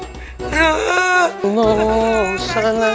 jangan kelinci jangan